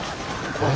これ？